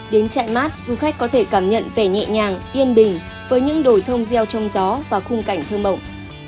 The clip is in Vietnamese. đến chạy mát du khách có thể cảm nhận vẻ nhẹ nhàng yên bình với những đồi thông reo trong gió và khung cảnh thơ mộng